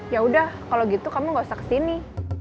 yaudah kalau gitu kamu nggak usah kesini